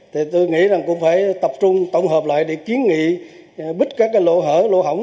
thì tôi nghĩ cũng phải tập trung tổng hợp lại để kiến nghị bích các lộ hở lộ hỏng